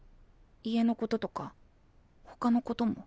家のこととかほかのことも。